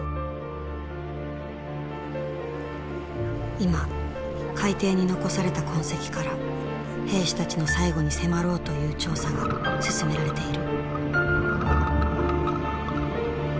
今海底に残された痕跡から兵士たちの最期に迫ろうという調査が進められている。